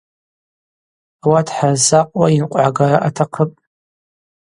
Ауат хӏрызсакъуа йынкъвыгӏгара атахъыпӏ.